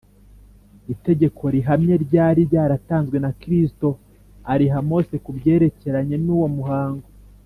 itegeko rihamye ryari ryaratanzwe na kristo, ariha mose ku byerekeranye n’uwo muhango